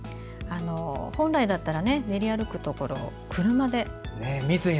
本来だったら練り歩くところを、車で。